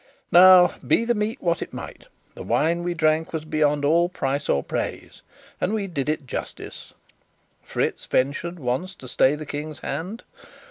Now, be the meat what it might, the wine we drank was beyond all price or praise, and we did it justice. Fritz ventured once to stay the King's hand.